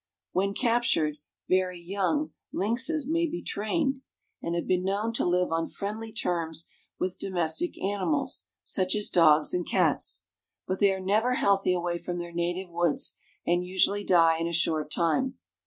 When captured very young, lynxes may be tamed, and have been known to live on friendly terms with domestic animals, such as dogs and cats. But they are never healthy away from their native woods, and usually die in a short time.